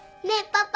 パパ。